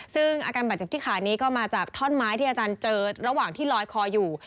ซึ่งอาการบาดเจ็บที่ขานี้ก็มาจากท่อนไม้ที่อาจารย์เจอระหว่างที่ลอยคออยู่